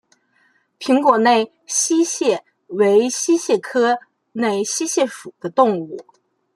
平果内溪蟹为溪蟹科内溪蟹属的动物。